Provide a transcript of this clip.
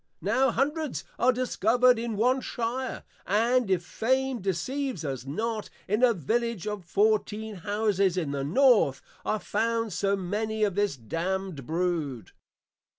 Now Hundreds are discovered in one Shire; and, if Fame Deceives us not, in a Village of Fourteen Houses in the North, are found so many of this Damned Brood.